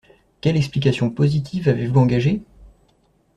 Quelle explication positive avez-vous engagée?